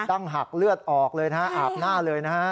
ั้งหักเลือดออกเลยนะฮะอาบหน้าเลยนะฮะ